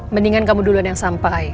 mendingan kamu duluan yang sampai